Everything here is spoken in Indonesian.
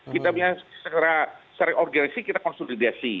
kita bisa secara organisasi kita konsolidasi